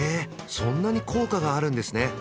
そんなに効果があるんですね！